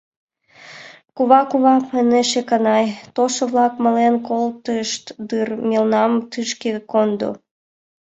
— Кува, кува... — манеш Эканай, — толшо-влак мален колтышт дыр, мелнам тышке кондо.